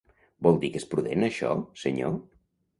Vol dir que és prudent, això, senyor?